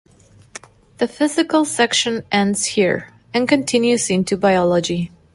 The physical section ends here, and continues into biology.